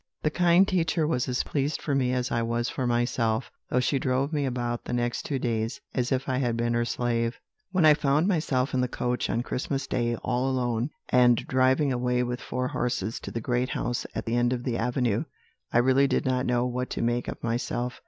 "The kind teacher was as pleased for me as I was for myself; though she drove me about the next two days, as if I had been her slave. "When I found myself in the coach, on Christmas Day, all alone, and driving away with four horses to the great house at the end of the avenue, I really did not know what to make of myself.